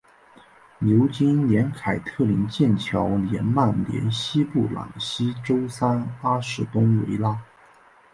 牛津联凯特灵剑桥联曼联西布朗锡周三阿士东维拉